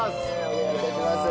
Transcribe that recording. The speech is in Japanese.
お願い致します。